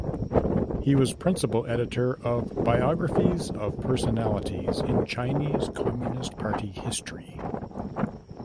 He was principal editor of "Biographies of Personalities in Chinese Communist Party History".